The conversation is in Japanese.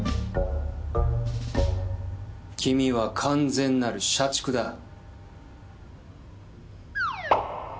君は完全なる社畜だ。